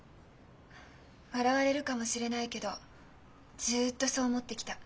笑われるかもしれないけどずっとそう思ってきた。